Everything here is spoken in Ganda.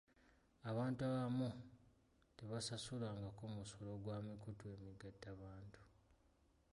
Abantu abamu tebasasulangako musolo gwa mikutu emigattabantu.